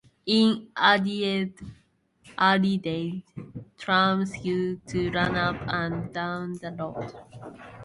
In Adelaide's early days, trams used to run up and down the road.